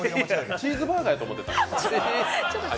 チーズバーガーやと思ってたん？